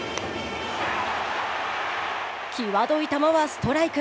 際どい球はストライク。